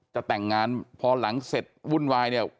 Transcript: จะแต่งงานพอหลังเสร็จวุ่นวายเนี่ย